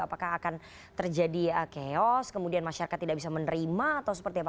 apakah akan terjadi chaos kemudian masyarakat tidak bisa menerima atau seperti apa